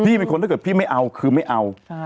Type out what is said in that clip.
เป็นคนถ้าเกิดพี่ไม่เอาคือไม่เอา